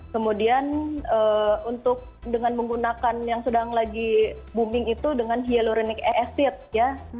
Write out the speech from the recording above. kemudian untuk dengan menggunakan yang sedang lagi booming itu dengan hyloronic aefid ya